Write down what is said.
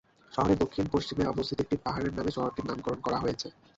শহরের দক্ষিণ-পশ্চিমে অবস্থিত একটি পাহাড়ের নামে শহরটির নামকরণ করা হয়েছে।